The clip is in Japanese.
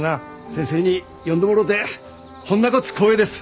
先生に呼んでもろうてほんなごつ光栄です。